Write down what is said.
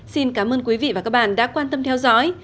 xin cảm ơn quý vị và các bạn đã quan tâm theo dõi